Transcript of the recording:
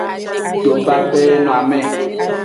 Dobabenoame.